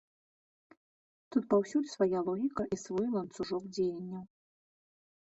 Тут паўсюль свая логіка і свой ланцужок дзеянняў.